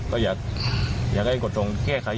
ก็อยากให้กดตรงแค่ใคร